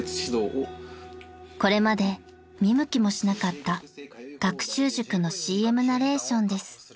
［これまで見向きもしなかった学習塾のＣＭナレーションです］